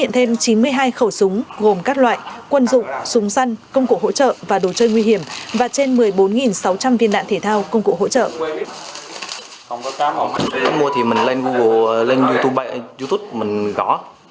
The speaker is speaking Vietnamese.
công cụ hỗ trợ và đồ chơi nguy hiểm và trên một mươi bốn sáu trăm linh viên đạn thể thao công cụ hỗ trợ